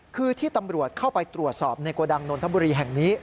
คือที่ตำรวจเข้าไปตรวจสอบในโกดังนนทบุรีแห่งนี้